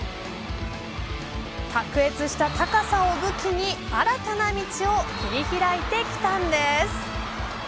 卓越した高さを武器に新たな道を切りひらいてきたんです。